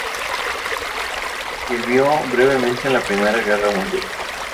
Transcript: Sirvió brevemente en la Primera Guerra Mundial.